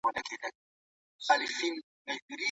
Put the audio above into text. صفر يو مهم عدد دئ.